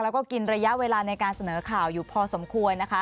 แล้วก็กินระยะเวลาในการเสนอข่าวอยู่พอสมควรนะคะ